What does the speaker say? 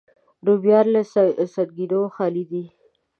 رومیان له سنګینیو خالي دي